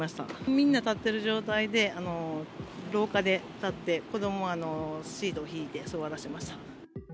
みんな立ってる状態で廊下で立って、子どもはシート敷いて、座らせました。